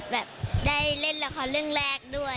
แบบได้เล่นละครเรื่องแรกด้วย